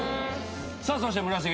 さあそして村重。